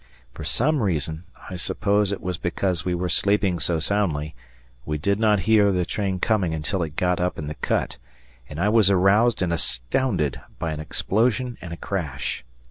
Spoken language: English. For some reason I suppose it was because we were sleeping so soundly we did not hear the train coming until it got up in the cut, and I was aroused and astounded by an explosion and a crash.